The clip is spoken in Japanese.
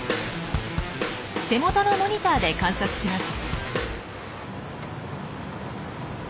手元のモニターで観察します。